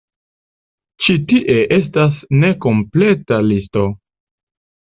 Ĉi tie estas nekompleta listo.